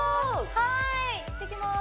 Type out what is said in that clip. はいやってきます